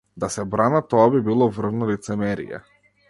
Да се бранат, тоа би било врвно лицемерие.